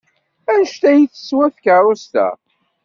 Anect ay teswa tkeṛṛust-a?